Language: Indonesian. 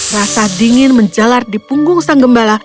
rasa dingin menjelar di punggung sang gembala